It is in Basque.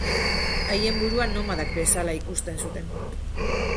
Haien burua nomadak bezala ikusten zuten.